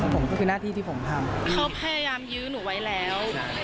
เขาพยายามยื้อหนูไว้แล้ว